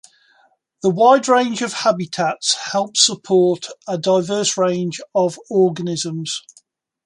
The wide range of habitats help support a diverse range of organisms.